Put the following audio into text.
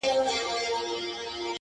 خو بدرنګه وو دا یو عیب یې په کور وو -